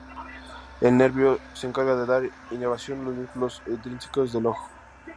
El nervio se encarga de dar inervación a los músculos extrínsecos del ojo.